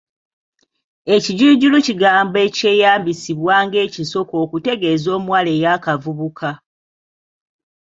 Ekijuujulu kigambo ekyeyambisibwa ng’ekisoko okutegeeza omuwala eyaakavubuka.